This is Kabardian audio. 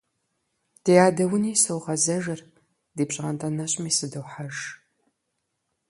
Ди адэ уни согъэзэжыр, ди пщӀантӀэ нэщӀми сыдохьэж.